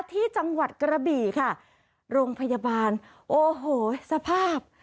ที่จังหวัดกระบี่ค่ะโรงพยาบาลโอ้โหสภาพ